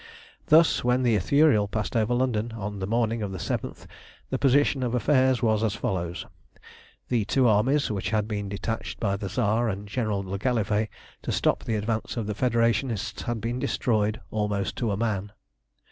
Thus, when the Ithuriel passed over London on the morning of the 7th the position of affairs was as follows: The two armies which had been detached by the Tsar and General le Gallifet to stop the advance of the Federationists had been destroyed almost to a man.